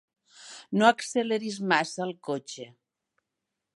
No acceleris massa el cotxe.